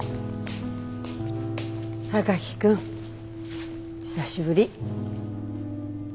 榊君久しぶり。